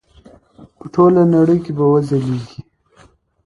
په ټوله نړۍ کې به وځلیږي.